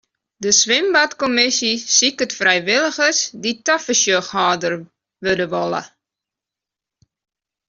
De swimbadkommisje siket frijwilligers dy't tafersjochhâlder wurde wolle.